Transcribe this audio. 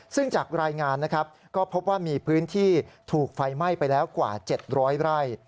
ซึ่งจากรายงานนะครับก็พบว่ามีพื้นที่ถูกไฟไหม้ไปแล้วกว่า๗๐๐ไร่